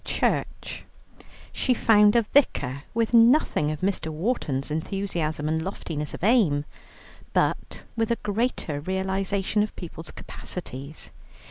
Church. She found a vicar with nothing of Mr. Wharton's enthusiasm and loftiness of aim, but with a greater realization of people's capacities.